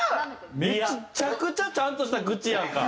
めちゃくちゃちゃんとした愚痴やんか。